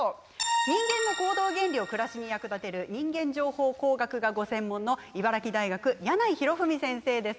人間の行動原理を暮らしに役立てる人間情報工学がご専門の茨城大学、矢内浩文先生です。